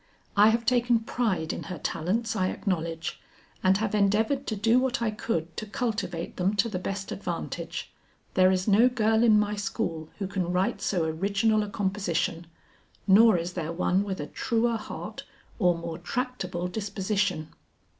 I have taken pride in her talents I acknowledge, and have endeavored to do what I could to cultivate them to the best advantage. There is no girl in my school who can write so original a composition, nor is there one with a truer heart or more tractable disposition."